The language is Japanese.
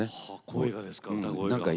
声がですか？